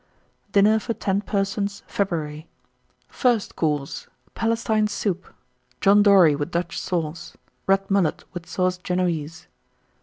1911. DINNER FOR 10 PERSONS (February). FIRST COURSE. Palestine Soup. John Dory, with Dutch Sauce. Red Mullet, with Sauce Génoise.